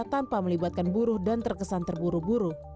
tanpa melibatkan buruh dan terkesan terburu buru